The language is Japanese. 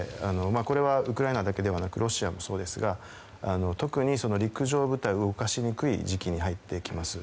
これはウクライナだけでなくロシアもそうですが特に陸上部隊を動かしにくい時期に入ってきます。